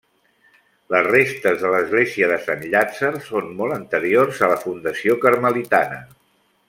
Les restes de l'església de Sant Llàtzer són molt anteriors a la fundació carmelitana.